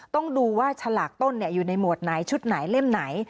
ต้องดูว่าฉลากต้นอยู่ในหมวดไหนชุดไหนเล่มไหน